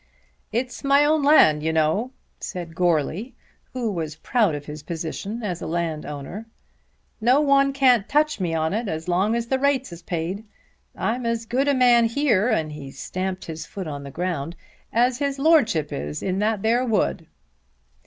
"It's my own land, you know," said Goarly who was proud of his position as a landowner. "No one can't touch me on it, as long as the rates is paid. I'm as good a man here," and he stamped his foot on the ground, "as his Lordship is in that there wood."